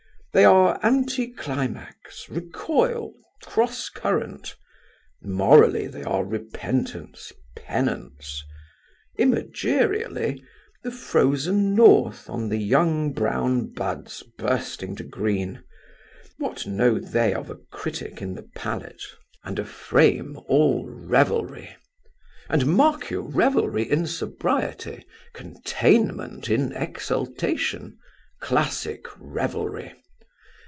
They are anti climax, recoil, cross current; morally, they are repentance, penance; imagerially, the frozen North on the young brown buds bursting to green. What know they of a critic in the palate, and a frame all revelry! And mark you, revelry in sobriety, containment in exultation; classic revelry.